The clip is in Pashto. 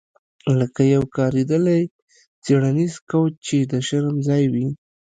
لکه یو کاریدلی څیړنیز کوچ چې د شرم ځای وي